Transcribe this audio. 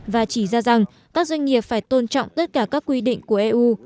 và chỉ ra rằng các doanh nghiệp phải tôn trọng tất cả các quy định của eu